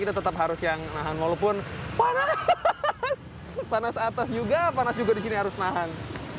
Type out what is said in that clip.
kita tetap harus yang nahan walaupun panas atas juga panas juga di sini harus nahan